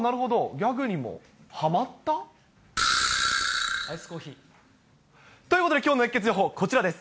ギャグにもはまった？ということできょうの熱ケツ情報こちらです。